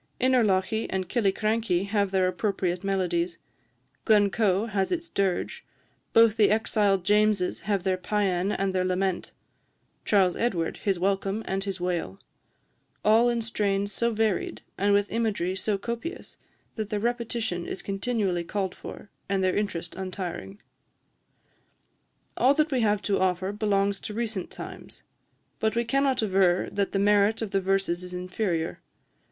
Innerlochy and Killiecrankie have their appropriate melodies; Glencoe has its dirge; both the exiled Jameses have their pæan and their lament; Charles Edward his welcome and his wail; all in strains so varied, and with imagery so copious, that their repetition is continually called for, and their interest untiring. "All that we have to offer belongs to recent times; but we cannot aver that the merit of the verses is inferior.